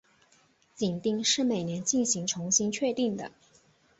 紧盯是每年进行重新确定的。